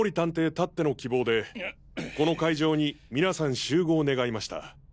たっての希望でこの会場に皆さん集合願いました。